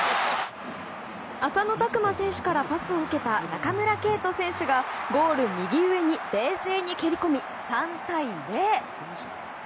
浅野拓磨選手からパスを受けた、中村敬斗選手がゴール右上に冷静に蹴り込み３対０。